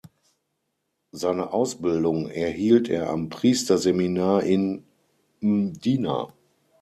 Seine Ausbildung erhielt er am Priesterseminar in Mdina.